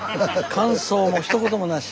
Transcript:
感想もひと言もなし。